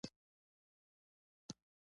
احمد له خولې له لمنې شوی دی.